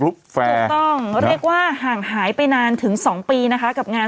ถูกต้องเรียกว่าห่างหายไปนานถึง๒ปีนะคะกับงาน